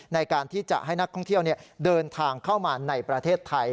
ในการที่จะให้นักท่องเที่ยวเดินทางเข้ามาในประเทศไทย